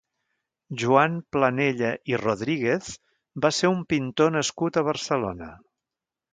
Joan Planella i Rodríguez va ser un pintor nascut a Barcelona.